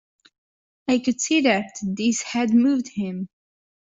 I could see that this had moved him.